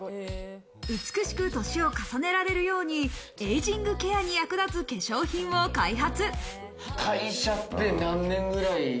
美しく歳を重ねられるように、エイジングケアに役立つ化粧品を開発。